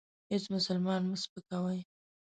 هیڅ مسلمان مه سپکوئ.